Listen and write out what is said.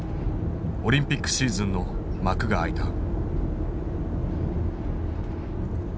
オリンピックシーズンの幕が開いた。